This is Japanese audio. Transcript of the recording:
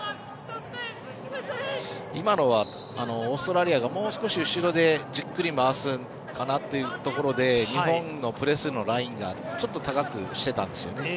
今のはオーストラリアがもう少し後ろでじっくり回すかなというところで日本のプレスのラインがちょっと高くしてたんですよね。